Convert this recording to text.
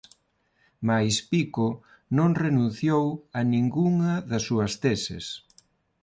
Mais Pico non renunciou a ningunha das súas teses.